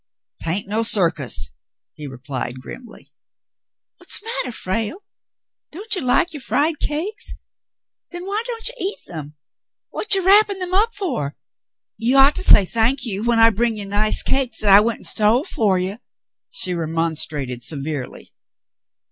'Tain't no circus,'' he replied grimly. "What's the matter, Frale ? Don't you like your fried cakes ? Then why don't you eat them ? What you wrapping them up for ? You ought to say thank you, when I bring you nice cakes 'at I went an' stole for you," she remonstrated severely.